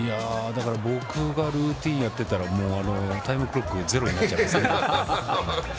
僕がルーティンやってたらもう、タイムクロックゼロになっちゃいますね。